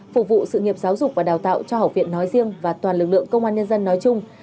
phục vụ sự nghiệp giáo dục và đào tạo cho học viện nói riêng và toàn lực lượng công an nhân dân nói chung